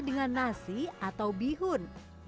dengan nasi atau bihun